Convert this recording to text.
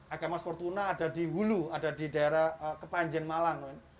agama sport fortuna ada di hulu ada di daerah kepanjen malang